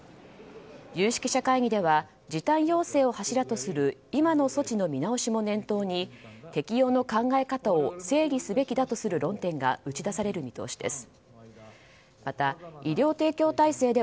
有識者会議では時短要請を柱とする今の措置の見直しも念頭に適用の考え方を整理すべきだとする論点が打ち出される見通しです。